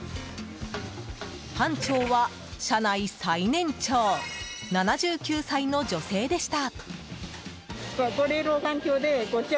班長は、社内最年長７９歳の女性でした。